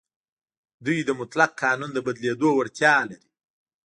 دوی د مطلق قانون د بدلېدو وړتیا لري.